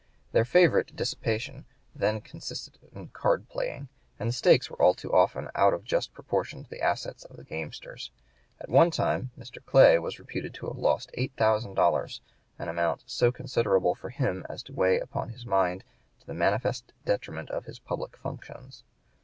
The favorite dissipation then consisted in card playing, and the stakes were too often out of all just proportion to the assets of the gamesters. At one time Mr. Clay was reputed to have lost $8,000, an amount so considerable for him as to weigh upon his mind to the manifest detriment of his public functions.